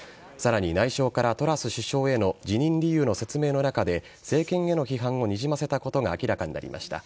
さらに内相からトラス首相への辞任理由の説明の中で政権への批判をにじませたことが明らかになりました。